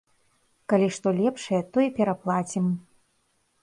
Калі што лепшае, то і пераплацім.